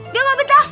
dia mau betah